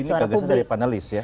jadi ini kegagasan dari panelis ya